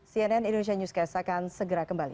cnn indonesia newscast akan segera kembali